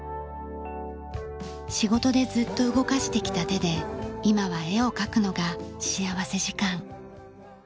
仕事でずっと動かしてきた手で今は絵を描くのが幸福時間。